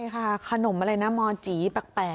ใช่ค่ะขนมอะไรนะมจีแปลก